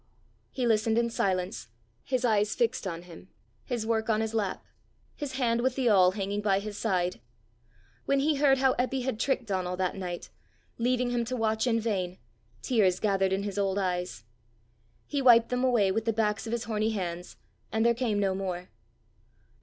He listened in silence, his eyes fixed on him, his work on his lap, his hand with the awl hanging by his side. When he heard how Eppy had tricked Donal that night, leaving him to watch in vain, tears gathered in his old eyes. He wiped them away with the backs of his horny hands, and there came no more.